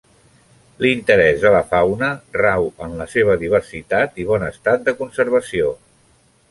L'interès de la fauna rau en la seva diversitat i bon estat de conservació.